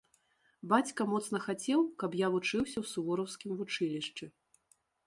Бацька моцна хацеў, каб я вучыўся ў сувораўскім вучылішчы.